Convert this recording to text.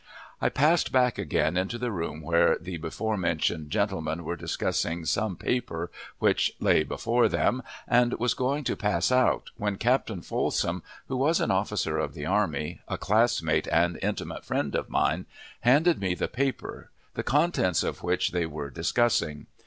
I passed back again into the room where the before named gentlemen were discussing some paper which lay before them, and was going to pass out, when Captain Folsom, who was an officer of the army, a class mate and intimate friend of mine, handed me the paper the contents of which they were discussing.